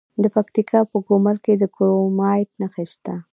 د پکتیکا په ګومل کې د کرومایټ نښې شته.